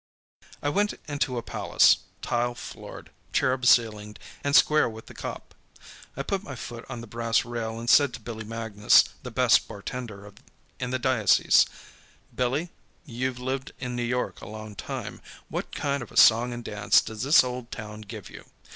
I went into a palace, tile floored, cherub ceilinged and square with the cop. I put my foot on the brass rail and said to Billy Magnus, the best bartender in the diocese: "Billy, you've lived in New York a long time what kind of a song and dance does this old town give you?